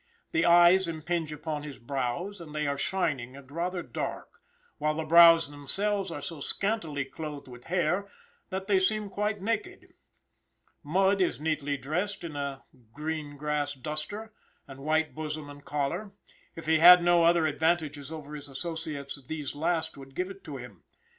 His eyes impinge upon his brows, and they are shining and rather dark, while the brows themselves are so scantily clothed with hair that they seem quite naked. Mudd is neatly dressed in a green grass duster, and white bosom and collar; if he had no other advantages over his associates these last would give it to him.